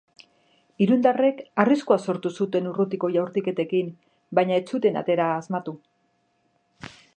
Irundarrek arriskua sortu zuten urrutiko jaurtiketekin, baina ez zuten atera asmatu.